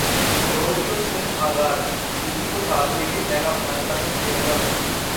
road show सिर्फ आगाज, यूपी को साधने के मेगा प्लान पर हैं प्रियंका गांधी